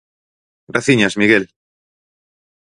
Graciñas, Miguel.